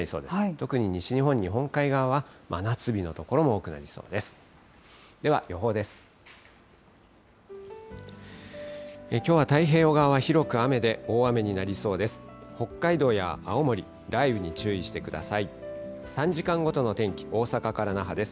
特に西日本日本海側は、真夏日の所も多くなりそうです。